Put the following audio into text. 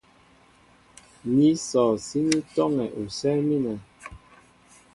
Ní sɔ síní tɔ́ŋɛ usɛ́ɛ́ mínɛ.